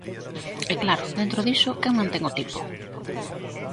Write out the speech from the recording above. E, claro, dentro diso, quen mantén o tipo?